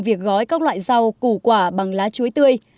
việc gói các loại rau củ quả bằng lá chuối tươi